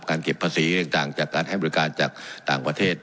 เก็บภาษีต่างจากการให้บริการจากต่างประเทศ